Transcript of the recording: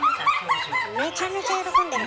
めちゃめちゃ喜んでる。